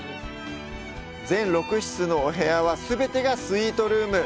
全６室のお部屋は全てがスイートルーム。